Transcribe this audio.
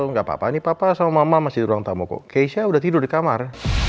gak apa apa ini papa sama mama masih ruang tamu kok geisha udah tidur di kamar